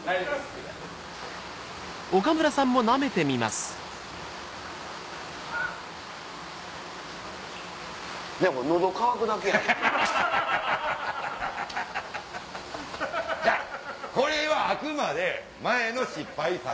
違うこれはあくまで前の失敗作。